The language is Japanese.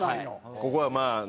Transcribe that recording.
ここはまあね